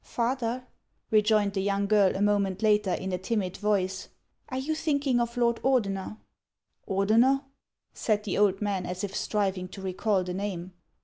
" Father," rejoined the young girl, a moment later, in a timid voice, " are you thinking of Lord Ordener '(" "Ordener?" said the old man, as if striving to recall the name.